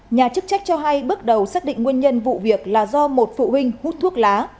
nhà chức trách cho hay bước đầu xác định nguyên nhân vụ việc là do một phụ huynh hút thuốc lá